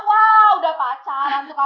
wah udah pacaran tuh kbmi udah pacaran